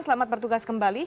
selamat bertugas kembali